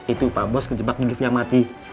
itu pak bos kejebak di lift yang mati